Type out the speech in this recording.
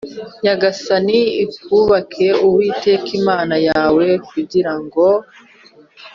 nyagasani ibuka Uwiteka Imana yawe kugira ngo